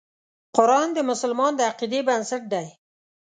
قرآن د مسلمان د عقیدې بنسټ دی.